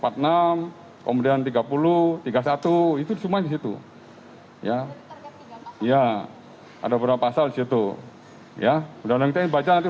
kemudian tiga ribu tiga puluh satu itu cuma disitu ya iya ada berapa salju tuh ya udah nangis baca nanti